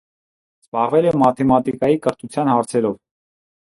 Զբաղվել է մաթեմատիկայի կրթության հարցերով։